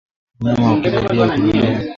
Mnyama hukimbilia kivulini